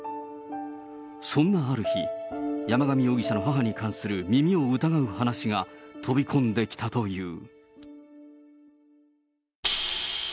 そんなある日、山上容疑者の母に関する耳を疑う話が飛び込んできたという。